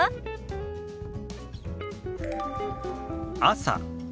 「朝」。